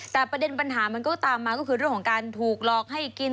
แต่ประเด็นปัญหามันก็ตามมาก็คือเรื่องของการถูกหลอกให้กิน